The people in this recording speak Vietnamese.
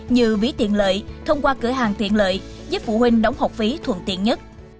như ví tiện lợi thông qua cửa hàng tiện lợi giúp phụ huynh đóng học phí thuận tiện nhất